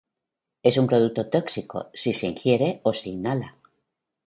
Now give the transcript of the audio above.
Es un producto tóxico si de ingiere o se inhala.